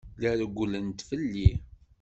La rewwlent fell-i.